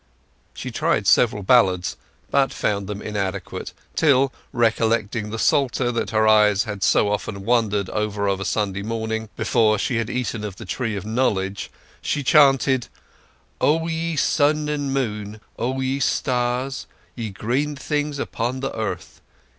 She tried several ballads, but found them inadequate; till, recollecting the psalter that her eyes had so often wandered over of a Sunday morning before she had eaten of the tree of knowledge, she chanted: "O ye Sun and Moon ... O ye Stars ... ye Green Things upon the Earth